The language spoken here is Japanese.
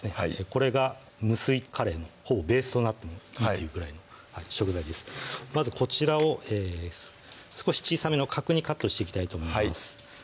これが無水カレーのほぼベースとなってもいいっていうぐらいの食材ですまずこちらを少し小さめの角にカットしていきたいと思います